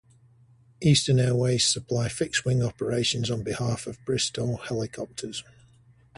Eastern Airways supply fixed wing operations on behalf of Bristow Helicopters.